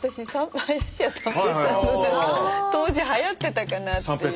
当時はやってたかなっていう。